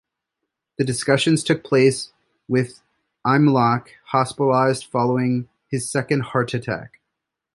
The discussions took place with Imlach hospitalized following his second heart attack.